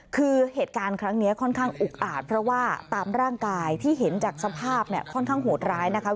คือเหตุการณ์ครั้งนี้ค่อนข้างอุกอาจเพราะว่าตามร่างกายที่เห็นจากสภาพเนี่ยค่อนข้างโหดร้ายนะคะ